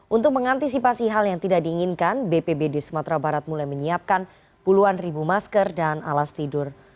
untuk mengantisipasi hal yang tidak diinginkan bpbd sumatera barat mulai menyiapkan puluhan ribu masker dan alas tidur